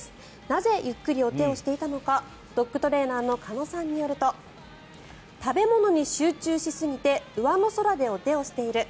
なぜ、ゆっくりお手をしていたのかドッグトレーナーの鹿野さんによると食べ物に集中しすぎてうわの空でお手をしている。